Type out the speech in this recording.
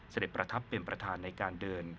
เสด็จประทับเป็นประธานในการเดิน